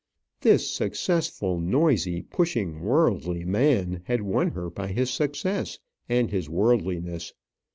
This successful, noisy, pushing, worldly man had won her by his success and his worldliness.